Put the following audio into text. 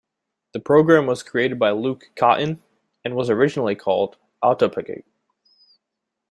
The program was created by Luc Cottyn, and was originally called "autopkg".